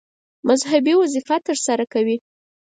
مذهبي وظیفه ترسره کوي.